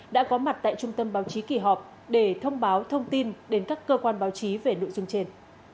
đã có mặt tại trung tâm báo chí kỳ họp để thông báo thông tin đến các cơ quan báo chí về nội dung trên